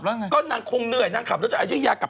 พก็บอกเขาก็หลับ